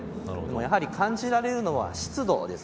やはり感じられるのは湿度です。